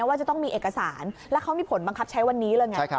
ว่าจะต้องมีเอกสารแล้วเขามีผลบังคับใช้วันนี้เลยไง